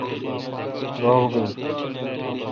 روغ بیل